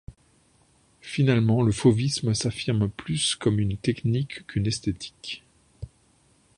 Finalement, le fauvisme s'affirme plus comme une technique qu'une esthétique.